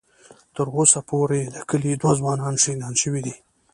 ـ تر اوسه پورې د کلي دوه ځوانان شهیدان شوي دي.